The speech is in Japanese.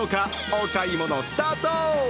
お買い物スタート！